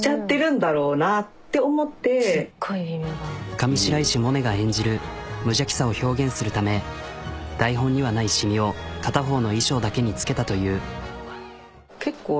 上白石萌音が演じる無邪気さを表現するため台本にはない染みを片方の衣装だけに付けたという。